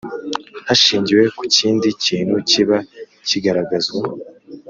Hashingiwe ku kindi kintu kiba kigaragazwa